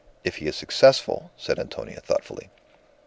"If he is successful!" said Antonia, thoughtfully.